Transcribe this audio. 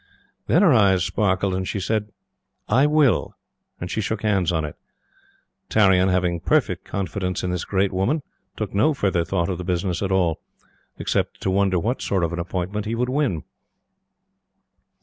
Then her eyes sparkled, and she said: "I will;" and she shook hands on it. Tarrion, having perfect confidence in this great woman, took no further thought of the business at all. Except to wonder what sort of an appointment he would win.